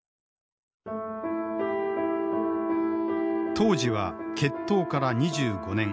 当時は結党から２５年。